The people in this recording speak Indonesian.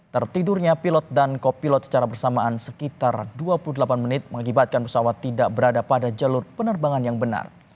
tertidurnya pilot dan kopilot secara bersamaan sekitar dua puluh delapan menit mengakibatkan pesawat tidak berada pada jalur penerbangan yang benar